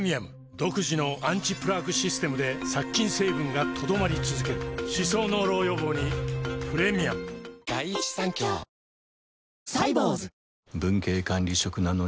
独自のアンチプラークシステムで殺菌成分が留まり続ける歯槽膿漏予防にプレミアム・あっ！